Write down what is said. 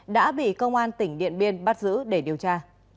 đã bị công an tỉnh điện biên bắt giữ để điều tra